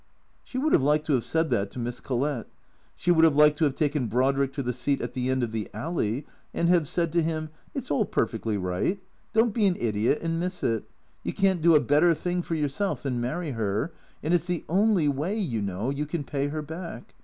She would have liked to have said that to Miss Collett. She would have liked to have taken Brodrick to the seat at the end of the alley and have said to him, " It 's all perfectly right. Don't be an idiot and miss it. You can't do a better thing for yourself than marry her, and it 's the only way, you know, you can pay her back.